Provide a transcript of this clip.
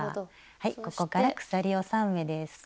はいここから鎖を３目です。